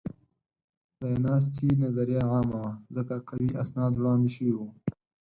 ځایناستې نظریه عامه وه؛ ځکه قوي اسناد وړاندې شوي وو.